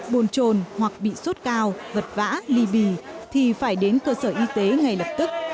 bùn trồn hoặc bị sốt cao vật vã ly bì thì phải đến cơ sở y tế ngay lập tức